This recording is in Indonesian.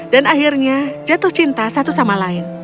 dan akhirnya jatuh cinta satu sama lain